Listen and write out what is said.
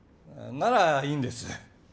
ならいいんです。